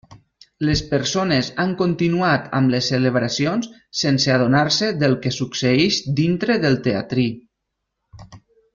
Les persones han continuat amb les celebracions sense adonar-se del que succeïx dintre del teatrí.